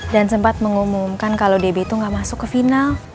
dan sempat mengumumkan kalau debbie tuh gak masuk ke final